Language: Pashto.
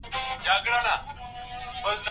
هېڅکله د شخصیتونو په اړه په قضاوت کې بېړه مه کوئ.